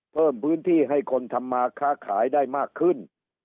เพิ่มพื้นที่ให้คนทำมาค้าขายได้มากขึ้น